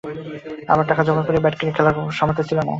আবার টাকা জোগাড় করে ব্যাট কিনে খেলা প্রায়ই সম্ভব হতো না।